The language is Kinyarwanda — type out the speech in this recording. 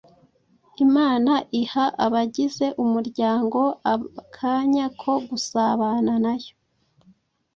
Imana iha abagize umuryango akanya ko gusabana na yo,